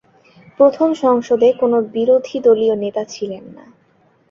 প্রথম সংসদে কোন বিরোধীদলীয় নেতা ছিলেন না।